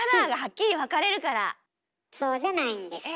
そうじゃないんですよ。